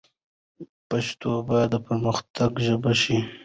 پښتو باید د پرمختګ ژبه شي.